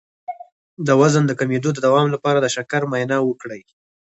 د وزن د کمیدو د دوام لپاره د شکر معاینه وکړئ